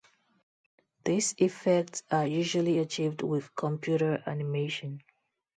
These effects are usually achieved with computer animation.